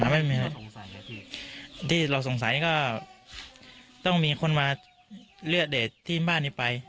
ไม่มีครับสงสัยครับพี่ที่เราสงสัยก็ต้องมีคนมาเลือดเดทที่บ้านนี้ไป